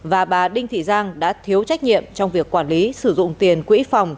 và bà đinh thị giang đã thiếu trách nhiệm trong việc quản lý sử dụng tiền quỹ phòng